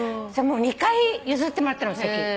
２回譲ってもらったの席。